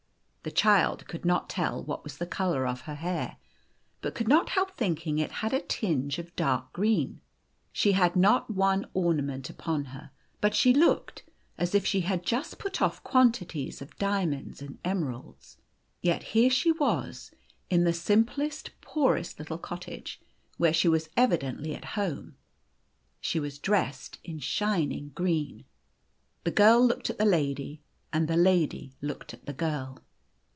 The child could not tell what was the colour of her hair, but could not help thinking it had a tinge of dark green. 1 82 The Golden Key She had not one ornament upon her, but she looked as if she had just put off quantities of diamonds and emeralds. Yet here she was in the simplest, poorest little cottage, where she was evidently at home. She was dressed in shining green. The girl looked at the lady, and the lady looked at the girl.